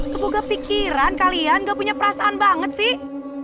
semoga pikiran kalian gak punya perasaan banget sih